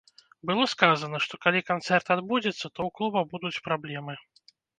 Было сказана, што калі канцэрт адбудзецца, то ў клуба будуць праблемы.